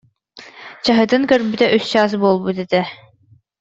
Чаһытын көрбүтэ үс чаас буолбут этэ